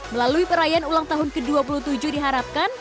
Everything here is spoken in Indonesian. melalui perayaan ulang tahun ke dua puluh tujuh diharapkan